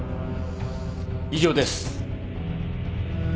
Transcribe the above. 以上です。